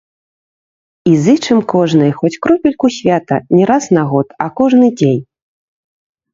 І зычым кожнай хоць кропельку свята не раз на год, а кожны дзень!